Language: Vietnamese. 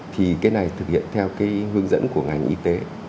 thì cái này thực hiện theo cái hướng dẫn của ngành y tế